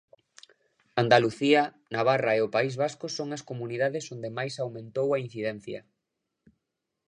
Andalucía, Navarra e O País Vasco son as comunidades onde máis aumentou a incidencia.